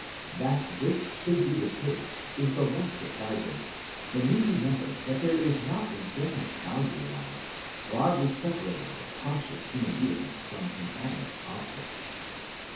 That this should be the case is the less surprising when we remember that there is not a definite boundary line, broadly separating the conscious human being from inanimate objects.